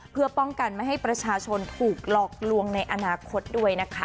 เพื่อป้องกันไม่ให้ประชาชนถูกหลอกลวงในอนาคตด้วยนะคะ